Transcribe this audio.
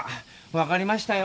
分かりましたよ。